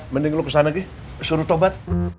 mending lo kesana suruh tobat